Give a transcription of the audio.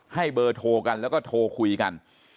ให้เบอร์โทรกันแล้วก็โทรคุยกัน